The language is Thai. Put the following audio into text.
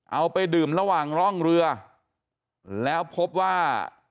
เอาไปดื่มระหว่างร่องเรือแล้วพบว่า